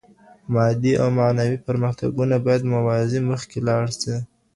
مادي او معنوي پرمختګونه بايد موازي مخکې لاړ سي.